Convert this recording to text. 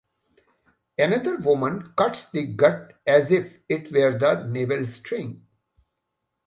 Another woman cuts the gut as if it were the navel-string.